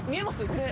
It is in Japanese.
これ。